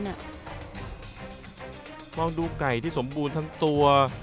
ลองดูไก่ที่สมบูรณ์ทั้งตัว